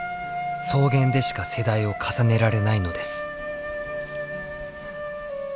草原でしか世代を重ねられないのです。